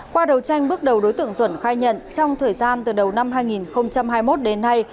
qua đầu tranh bước đầu đối tượng duẩn khai nhận trong thời gian từ đầu năm hai nghìn hai mươi một đến nay